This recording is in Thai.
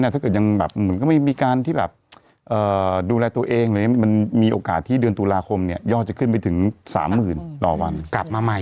ต่อวันกลับมาใหม่อีกที่หนึ่งอืมนะครับต้องนะครับต้องนะฮะ